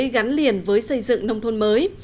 gắn liền với xây dựng nông thôn mới